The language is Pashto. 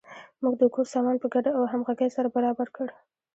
موږ د کور سامان په ګډه او همغږۍ سره برابر کړ.